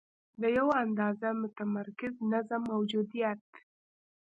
د یوه اندازه متمرکز نظم موجودیت.